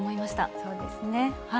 そうですね。